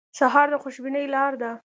سهار د خوشبینۍ لاره ده.